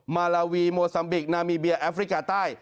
มาลาวีโมซัมบิกนามีเบียแอฟริกาใต้